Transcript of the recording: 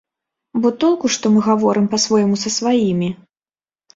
Бо толку што мы гаворым па-свойму са сваімі?